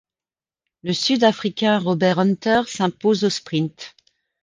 Le Sud-Africain Robert Hunter s'impose au sprint.